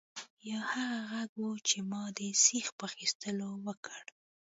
یا هغه غږ و چې ما د سیخ په اخیستلو وکړ